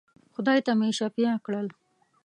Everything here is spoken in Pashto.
خدای ته مي شفېع کړل.